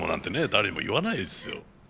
誰にも言わないですよ。